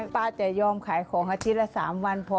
ป้าจะยอมขายของอาทิตย์ละ๓วันพอ